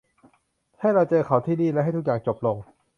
ให้เราเจอเขาที่นี่และให้ทุกอย่างจบลง